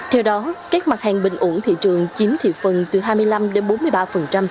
theo đó các mặt hàng bình ổn thị trường chiếm thị phần từ hai mươi năm đến bốn mươi ba